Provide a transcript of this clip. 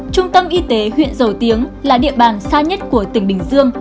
trung tâm y tế huyện dầu tiếng là địa bàn xa nhất của tỉnh bình dương